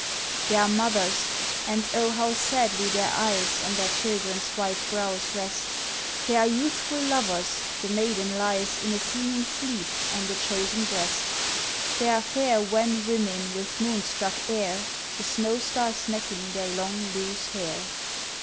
There are mothers and oh how sadly their eyes On their children's white brows rest! There are youthful lovers the maiden lies, In a seeming sleep, on the chosen breast; There are fair wan women with moonstruck air, The snow stars flecking their long loose hair.